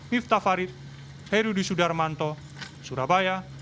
miftah farid herudi sudarmanto surabaya